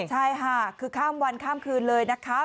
ใช่ค่ะคือข้ามวันข้ามคืนเลยนะคะ